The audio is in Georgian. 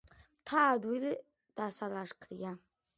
მთა ადვილი დასალაშქრია.